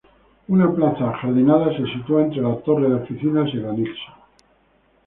Una plaza ajardinada se sitúa entre la torre de oficinas y el anexo.